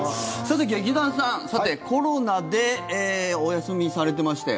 劇団さんコロナでお休みされてまして。